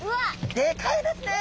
でかいですね！